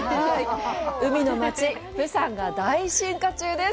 海の街釜山が大進化中です。